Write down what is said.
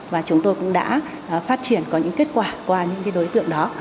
và chúng tôi cũng đã phát triển có những kết quả qua những đối tượng đó